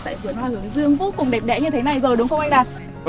tại vườn hoa hướng dương vô cùng đẹp đẽ như thế này rồi đúng không anh đạt